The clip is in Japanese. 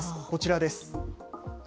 こちらです。